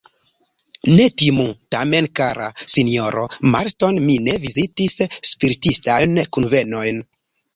Ne timu, tamen, kara sinjoro Marston, mi ne vizitis spiritistajn kunvenojn.